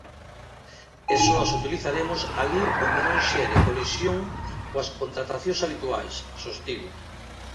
"E só as utilizaremos alí onde non xere colisión coas contratacións habituais", sostivo.